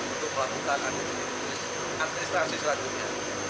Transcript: untuk melakukan administrasi selanjutnya